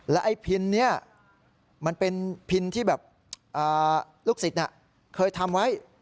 ไอ้พินนี้มันเป็นพินที่แบบลูกศิษย์เคยทำไว้